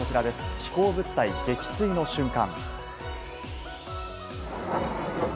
飛行物体、撃墜の瞬間。